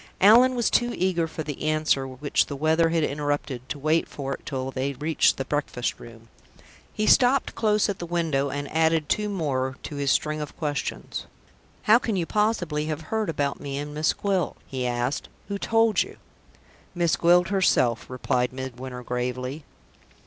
Allan was too eager for the answer which the weather had interrupted to wait for it till they reached the breakfast room. He stopped close at the window, and added two more to his string of questions. "How can you possibly have heard about me and Miss Gwilt?" he asked. "Who told you?" "Miss Gwilt herself," replied Midwinter, gravely.